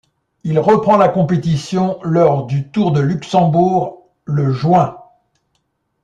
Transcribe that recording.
Il reprend la compétition lors du Tour de Luxembourg le juin.